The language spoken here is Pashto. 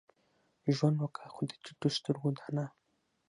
ژوند وکه؛ خو د ټيټو سترګو دا نه.